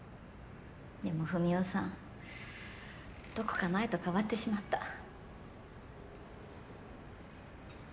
でも文雄さんどこか前と変わってしまった。